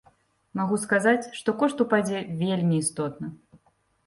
Магу сказаць, што кошт упадзе вельмі істотна.